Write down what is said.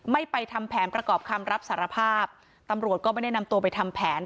ไปทำแผนประกอบคำรับสารภาพตำรวจก็ไม่ได้นำตัวไปทำแผน